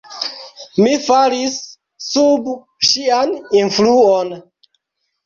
Mi falis sub ŝian influon.